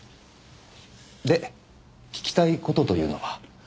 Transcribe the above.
で聞きたい事というのは？